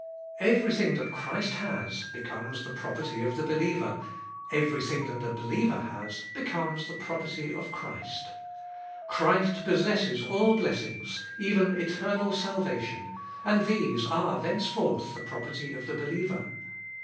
Every thing that Christ has becomes the property of the believer, every thing that the believer has becomes the property of Christ. Christ possesses all blessings, even eternal salvation, and these are thenceforth the property of the believer.